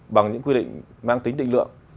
bằng những quy định mang tính định lượng